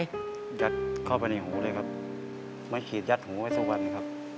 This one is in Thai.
ยัดเข้าไปในหูเลยครับไม้ขีดยัดหูไว้ทุกวันครับ